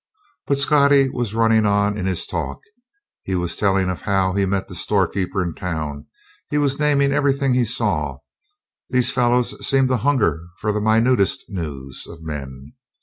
But Scottie was running on in his talk; he was telling of how he met the storekeeper in town; he was naming everything he saw; these fellows seemed to hunger for the minutest news of men.